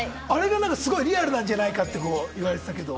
あれがすごいリアルなんじゃないかって言われてたけれども。